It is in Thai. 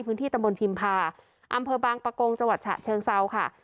พื้นที่ตะบนพิมพาอำเภอบางปะโกงจังหวัดฉะเชิงเซาค่ะ